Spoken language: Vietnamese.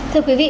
thưa quý vị